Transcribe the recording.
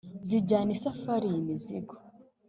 Zijyana isafari iyi mizigo